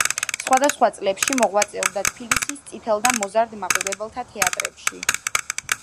სხვადასხვა წლებში მოღვაწეობდა თბილისის წითელ და მოზარდ მაყურებელთა თეატრებში.